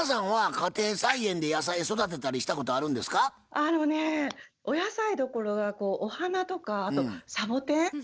あのねお野菜どころかお花とかあとサボテン